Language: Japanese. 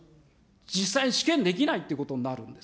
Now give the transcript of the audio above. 実際に試験できないということになるんです。